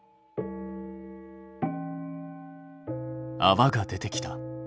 あわが出てきた。